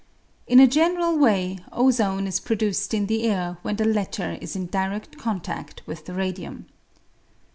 In a general way, ozone is produced in the air when the latter is in dired contad with the radium.